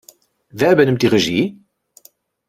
Wer übernimmt die Regie?